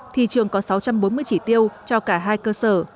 thì trường có sáu trăm bốn mươi chỉ tiêu cho cả hai cơ sở